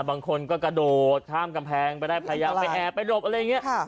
บางคนก็กระโดดถ้ามกำแพงไปได้ภัยไอไปอรบอะไรอย่างเงี้ยค่ะ